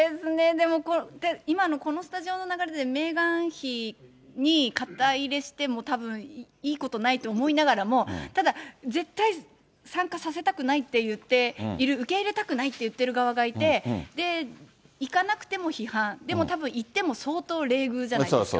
でも、今のこのスタジオの流れでメーガン妃に肩入れしてもたぶん、いいことないと思いながらも、ただ、絶対参加させたくないって言っている、受け入れたくないって言ってる側がいて行かなくても批判、でもたぶん行っても相当冷遇じゃないですか。